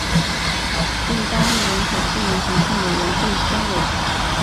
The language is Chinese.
并担任人口资源环境委员会专委。